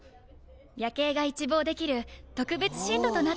夜景が一望できる特別シートとなっております。